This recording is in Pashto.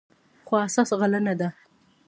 خو اساس غله دانه ده.